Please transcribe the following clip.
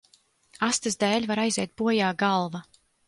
Astes dēļ var aiziet bojā galva.